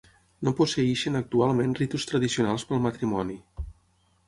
No posseeixen actualment ritus tradicionals pel matrimoni.